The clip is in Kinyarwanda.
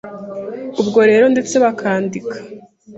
ubwo rero ndetse bakanandika.